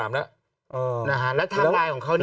อ่าแล้วท่าบายของเขานี่